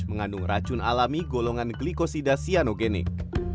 mengandung racun alami golongan glikosida cyanogenik